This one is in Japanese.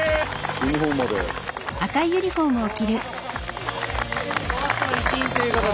ユニフォームまで！